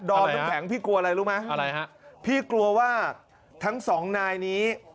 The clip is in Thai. ดอมน้ำแข็งพี่กลัวอะไรรู้ไหมพี่กลัวว่าอะไรฮะ